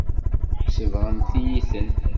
Sebɣent-iyi-ten.